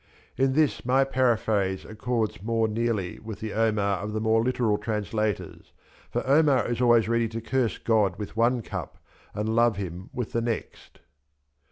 In this my paraphrase accords more nearly with the Omar of the more literal translators — for Omar is always ready to curse God with one cup and love Him with the next.